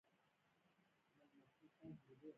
وحشي حیوانات د افغانستان د ټولنې لپاره بنسټيز رول لري.